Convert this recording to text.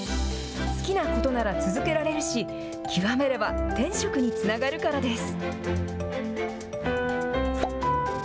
好きなことなら続けられるし極めれば天職につながるからです。